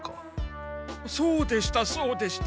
そうでしたそうでした。